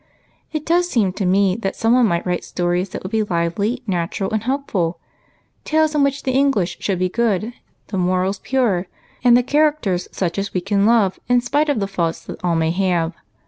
It does seem to me that some one might write stories that should be lively, natural, and helpful, — tales in which the English should be good, the morals pure, and the characters such as we can love in spite of the faults that all may have.